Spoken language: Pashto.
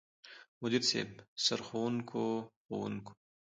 مدير صيب، سرښوونکو ،ښوونکو،